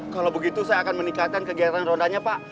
kalau begitu saya akan meningkatkan kegiatan rodanya pak